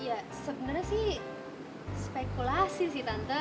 ya sebenarnya sih spekulasi sih tante